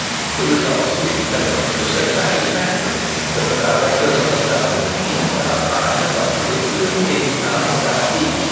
The results of the experiment were so satisfactory, that the directors of the Dublin and Kingstown line adopted it between Kingstown and Dalkey.